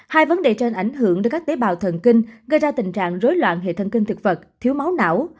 hai vấn đề trên ảnh hưởng đến các tế bào thần kinh gây ra tình trạng rối loạn hệ thân kinh thực vật thiếu máu não